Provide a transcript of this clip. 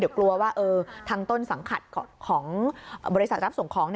เดี๋ยวกลัวว่าทางต้นสังกัดของบริษัทรับส่งของ